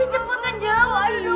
ayo cepetan jawab i